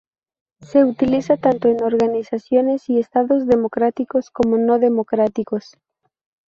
Se utiliza tanto en organizaciones y estados democráticos como no democráticos.